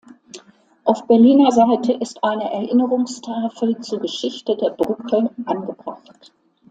Auf Berliner Seite ist eine Erinnerungstafel zur Geschichte der Brücke angebracht.